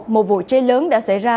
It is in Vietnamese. một vụ cháy lớn đã xảy ra